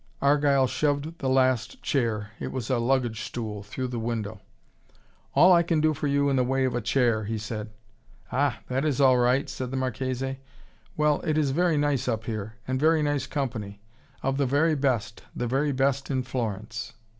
Argyle shoved the last chair it was a luggage stool through the window. "All I can do for you in the way of a chair," he said. "Ah, that is all right," said the Marchese. "Well, it is very nice up here and very nice company. Of the very best, the very best in Florence."